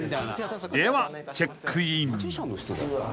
［ではチェックイン］